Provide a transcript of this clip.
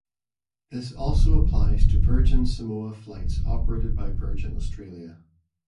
This also applies to Virgin Samoa flights operated by Virgin Australia.